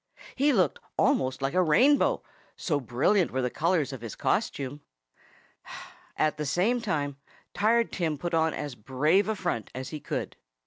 He looked almost like a rainbow, so brilliant were the colors of his costume. At the same time Tired Tim put on as brave a front as he could.